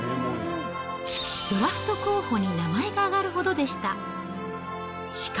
ドラフト候補に名前が挙がるほどでした。